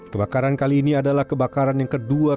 kebakaran kali ini adalah kebakaran yang kedua